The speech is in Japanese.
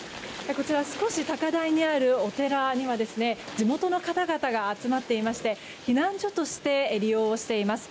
こちら少し高台にあるお寺には地元の方々が集まっていまして避難所として利用しています。